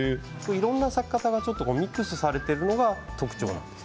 いろんな咲き方がミックスされているのが特徴です。